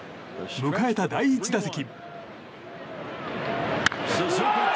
迎えた第１打席。